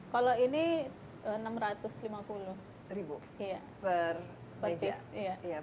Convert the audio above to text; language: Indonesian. kalau ini enam ratus lima puluh per meja